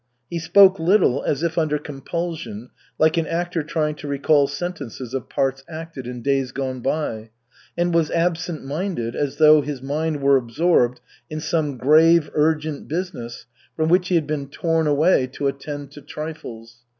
He spoke little, as if under compulsion, like an actor trying to recall sentences of parts acted in days gone by, and was absent minded, as though his mind were absorbed in some grave, urgent business from which he had been torn away to attend to trifles.